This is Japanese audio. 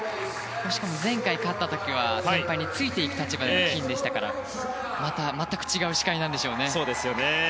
しかも前回勝った時は先輩についていく立場での金でしたからまた全く違う視界なんでしょう。